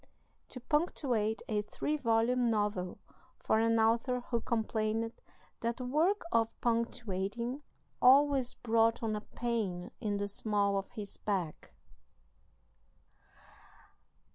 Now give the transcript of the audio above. "To punctuate a three volume novel for an author who complained that the work of punctuating always brought on a pain in the small of his back.